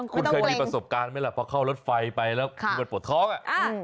คุณเคยมีประสบการณ์ไหมล่ะพอเข้ารถไฟไปแล้วคือมันปวดท้องอ่ะ